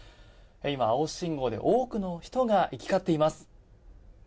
今、青信号で多くの人が行き交っています。